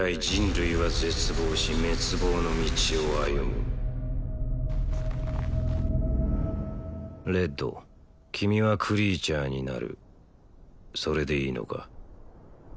人類は絶望し滅亡の道を歩むレッド君はクリーチャーになるそれでいいのか？